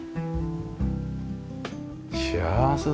幸せだね。